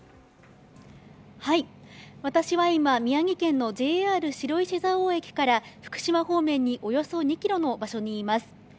私は今、宮城県のＪＲ白石蔵王駅から福島方面におよそ２ｋｍの場所にいます。